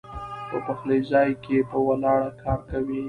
پۀ پخلي ځائے کښې پۀ ولاړه کار کوي